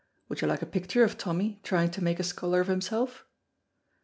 Would you like a picture of Tommy trying to make a scholar of himself?